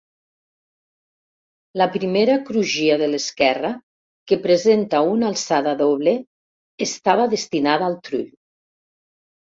La primera crugia de l'esquerra, que presenta una alçada doble, estava destinada al trull.